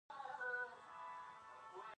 د افغانستان په جنوب کې د پکتیکا ولایت شتون لري.